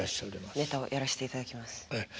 ネタをやらせていただきます。